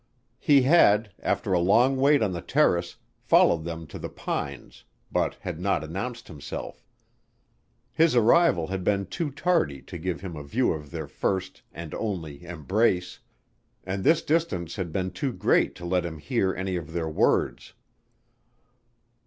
He had, after a long wait on the terrace, followed them to the pines, but had not announced himself. His arrival had been too tardy to give him a view of their first and only embrace, and his distance had been too great to let him hear any of their words.